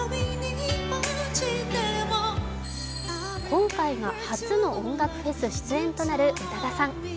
今回が初の音楽フェス出演となる宇多田さん。